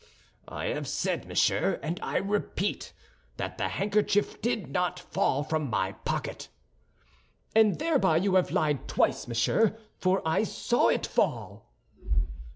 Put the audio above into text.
"I have said, monsieur, and I repeat, that the handkerchief did not fall from my pocket." "And thereby you have lied twice, monsieur, for I saw it fall."